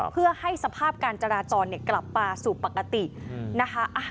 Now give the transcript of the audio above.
เพื่อให้สภาพการจราจรกลับมาสู่ปกตินะคะ